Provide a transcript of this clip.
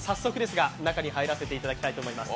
中に入らせていただきたいと思います。